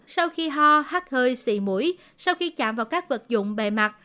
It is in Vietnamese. sau khi ho hát hơi xị mũi sau khi chạm vào các vật dụng bề mặt